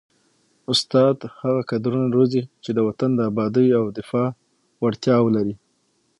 استاد هغه کدرونه روزي چي د وطن د ابادۍ او دفاع وړتیا ولري.